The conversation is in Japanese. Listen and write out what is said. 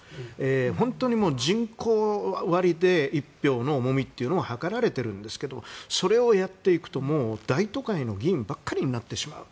本当に人口割で１票の重みが図られているんですけどそれをやっていくと大都会の議員ばかりになってしまう。